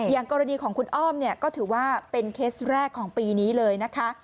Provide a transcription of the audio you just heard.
อย่างกรณีของคุณอ้อมเนี่ยก็ถือว่าเป็นเคสแรกของปีนี้เลยนะคะ